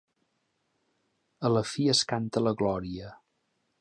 A la fi es canta la glòria.